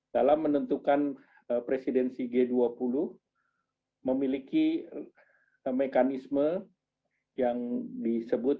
dalam menentukan presidensi g dua puluh memiliki mekanisme yang disebut